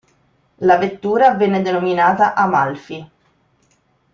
La vettura venne denominata "Amalfi".